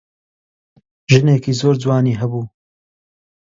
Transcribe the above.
ژنێکی زۆر جوانی هەبوو.